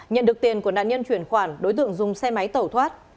nhận được tiền của nạn nhân chuyển khoản đối tượng dùng xe máy tẩu thoát